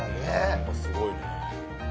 やっぱすごいね。